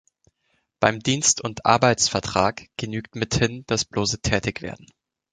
Beim Dienst- und Arbeitsvertrag genügt mithin das bloße Tätigwerden.